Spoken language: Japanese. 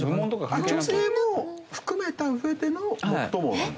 女性も含めた上での「最も」なんだ。